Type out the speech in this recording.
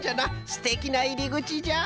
すてきないりぐちじゃ！